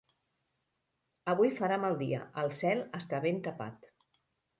Avui farà mal dia, el cel està ben tapat.